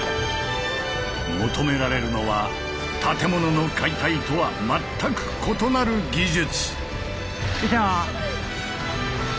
求められるのは建物の解体とは全く異なる技術。